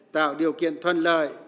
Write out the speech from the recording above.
tạo điều kiện thuận lợi